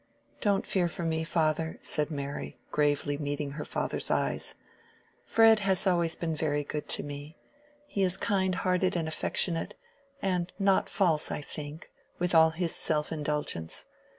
"Don't fear for me, father," said Mary, gravely meeting her father's eyes; "Fred has always been very good to me; he is kind hearted and affectionate, and not false, I think, with all his self indulgence.